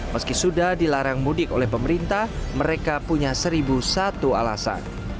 meski sudah dilarang mudik oleh pemerintah mereka punya seribu satu alasan